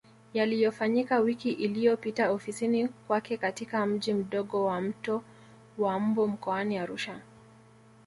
Yaliyofanyika wiki iliyopita ofisini kwake katika Mji mdogo wa Mto wa Mbu mkoani Arusha